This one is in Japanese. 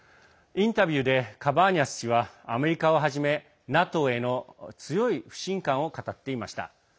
インタビューでカバーニャス氏はアメリカをはじめ、ＮＡＴＯへの強い不信感を語っていました。